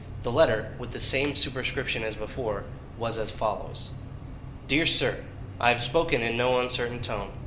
The letter, with the same superscription as before, was as follows: "DEAR SIR: "I have spoken in no uncertain tone.